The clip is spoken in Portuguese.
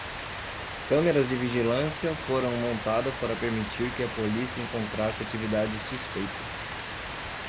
Câmeras de vigilância foram montadas para permitir que a polícia encontrasse atividades suspeitas.